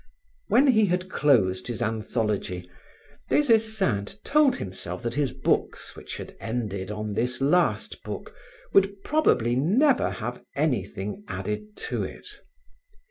When he had closed his anthology, Des Esseintes told himself that his books which had ended on this last book, would probably never have anything added to it.